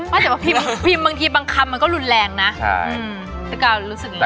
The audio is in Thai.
ว่าจะเป็นพิมพ์บางทีบางคำก็รุนแรงนะ